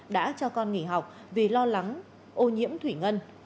đã cho con nghỉ học vì lo lắng ô nhiễm thủy ngân